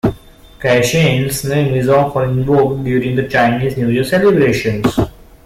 Caishen's name is often invoked during the Chinese New Year celebrations.